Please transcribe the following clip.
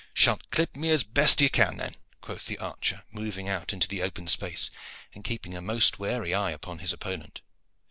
"Shalt clip me as best you can then," quoth the archer, moving out into the open space, and keeping a most wary eye upon his opponent.